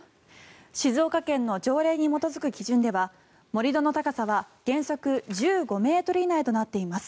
静岡県の条例に基づく基準では盛り土の高さは原則１５ｍ以内となっています。